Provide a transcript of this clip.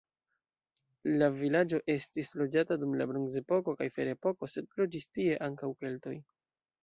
La vilaĝo estis loĝata dum la bronzepoko kaj ferepoko, sed loĝis tie ankaŭ keltoj.